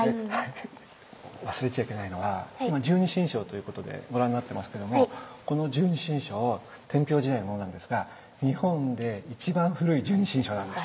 忘れちゃいけないのが今十二神将ということでご覧になってますけどもこの十二神将天平時代のものなんですがそうなんだ。